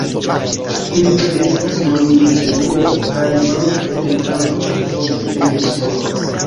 Ili nestas kolonie sur grundo kaj malofte en arboj, ofte en insuloj.